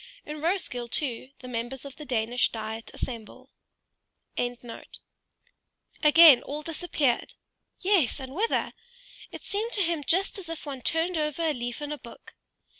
In Roeskilde, too, the members of the Danish Diet assemble. Again all suddenly disappeared. Yes, and whither? It seemed to him just as if one turned over a leaf in a book.